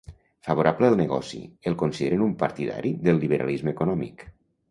Favorable al negoci, el consideren un partidari del liberalisme econòmic.